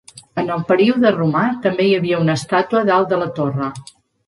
En el període romà també hi havia una estàtua dalt de la torre.